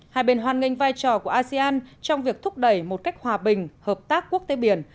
hai bên hoan nghênh vai trò của asean trong việc thúc đẩy một cách hòa bình hợp tác quốc tế biển